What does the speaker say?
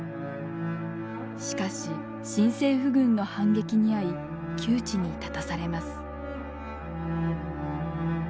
しかし新政府軍の反撃に遭い窮地に立たされます。